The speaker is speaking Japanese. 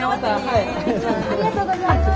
ありがとうございます。